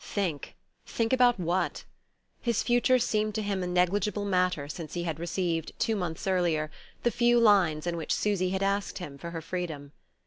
Think think about what? His future seemed to him a negligible matter since he had received, two months earlier, the few lines in which Susy had asked him for her freedom.